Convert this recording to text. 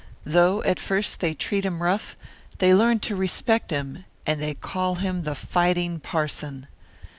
Though at first they treat him rough, they learn to respect him, and they call him the fighting parson.